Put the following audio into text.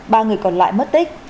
ba người còn lại mất tích